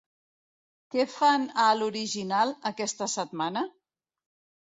Què fan a l'Horiginal, aquesta setmana?